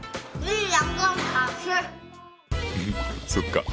そっか。